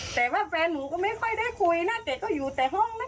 แต่ว่าแฟนหนูก็ไม่ค่อยได้คุยนะแต่ก็อยู่แต่ห้องนะ